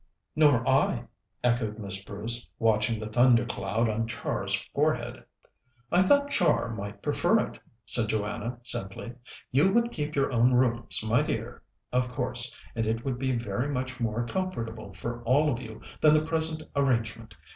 "Nor I," echoed Miss Bruce, watching the thunder cloud on Char's forehead. "I thought Char might prefer it," said Joanna simply. "You would keep your own rooms, my dear, of course, and it would be very much more comfortable for all of you than the present arrangement.